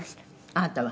「あなたが？」